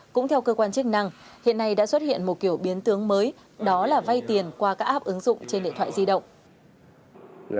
cũng theo cơ quan chức năng hiện nay đã xuất hiện một kiểu biến tướng mới đó là vay tiền qua các app ứng dụng trên điện thoại di động